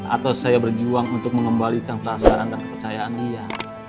atau saya berjuang untuk mengembalikan perasaan dan kepercayaan dia